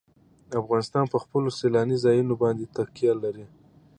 افغانستان په خپلو سیلاني ځایونو باندې تکیه لري.